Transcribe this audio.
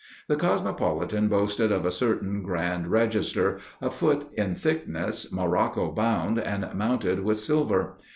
The Cosmopolitan boasted of a certain Grand Register, a foot in thickness, morocco bound, and mounted with silver.